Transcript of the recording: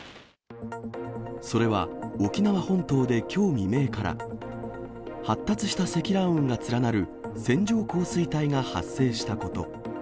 それは、沖縄本島できょう未明から、発達した積乱雲が連なる線状降水帯が発生したこと。